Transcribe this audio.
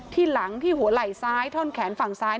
หลังที่หัวไหล่ซ้ายท่อนแขนฝั่งซ้าย